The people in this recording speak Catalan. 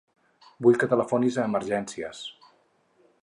Vull que telefonis a Emergències.